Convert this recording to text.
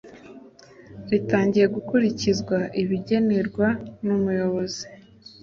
Ritangiye gukurikizwa ibigenerwa umuyobozi